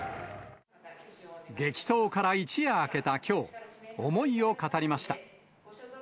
激闘から一夜明けたきょう、思いを語りました。